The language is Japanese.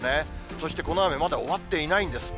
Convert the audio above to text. そしてこの雨、まだ終わっていないんです。